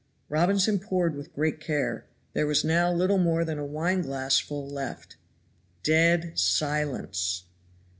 Robinson poured with great care. There was now little more than a wine glassful left. DEAD SILENCE!